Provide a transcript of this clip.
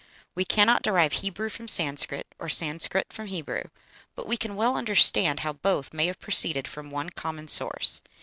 We cannot derive Hebrew from Sanscrit, or Sanscrit from Hebrew; but we can well understand how both may have proceeded from one common source.